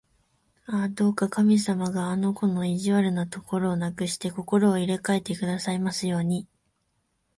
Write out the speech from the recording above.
ああ、どうか神様があの子の意地悪なところをなくして、心を入れかえてくださいますように！